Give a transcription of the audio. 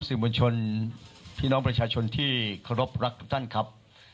สวัสดีคุณผู้ชมชนที่น้องประชาชนที่เคารพรักกับท่านครับ